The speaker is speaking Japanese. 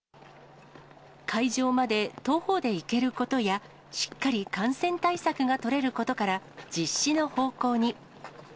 会場まで徒歩で行けることや、しっかり感染対策が取れることから、実施の方向に。